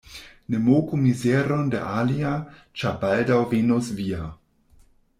Ne moku mizeron de alia, ĉar baldaŭ venos via.